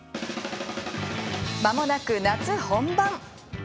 まもなく夏本番。